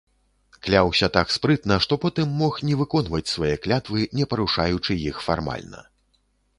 Кляўся так спрытна, што потым мог не выконваць свае клятвы, не парушаючы іх фармальна.